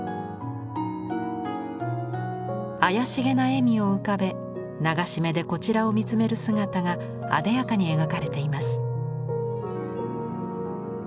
妖しげな笑みを浮かべ流し目でこちらを見つめる姿があでやかに描かれています。